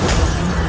aku akan menang